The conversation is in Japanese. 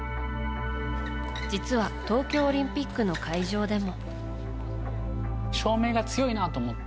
実は東京オリンピックの会場でも。